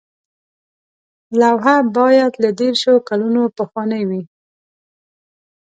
لوحه باید له دیرشو کلونو پخوانۍ وي.